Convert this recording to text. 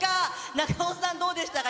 長尾さん、どうでしたか？